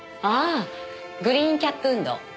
ああグリーンキャップ運動。